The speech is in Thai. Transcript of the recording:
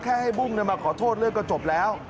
ให้บุ้งมาขอโทษเรื่องก็จบแล้ว